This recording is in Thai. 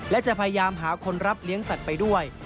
และจะพยายามหาคนรับเลี้ยงสัตว์ไปด้วย